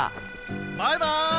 バイバイ！